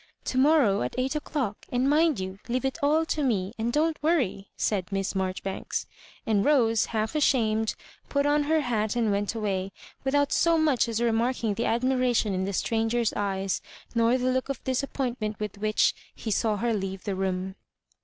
"To morrow at eight o'clock; and mind you leave it all to me, and don't worry," said Miss Marjoribanks ; and Rose, half .ashamed, put on her hat and went away, without so much as remarking the admiration in the stranger's eyes, nor the look of disappointment with which he Digitized by VjOOQIC 92 , MISS ICABJORIBANKS. flaw her leave the room.